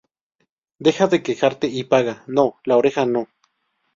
Deja de quejarte y paga. No, la oreja no.